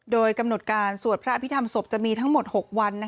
โดยกำหนดการสวดพระอภิษฐรรศพจะมีทั้งหมด๖วัน